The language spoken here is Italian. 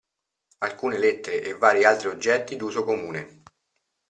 Alcune lettere e vari altri oggetti d'uso comune.